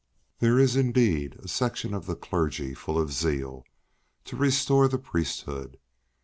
There is indeed a section of the clergy full of zeal—to restore the priesthood.